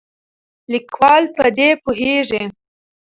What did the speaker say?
لیکوال په دې پوهیږي.